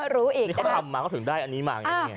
เขาทำมาก็ถึงได้อันนี้มา